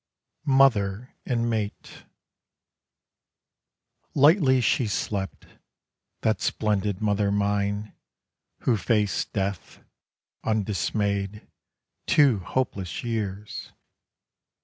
MOTHER AND MATE Lightly she slept, that splendid mother mine Who faced death, undismayed, two hopeless years....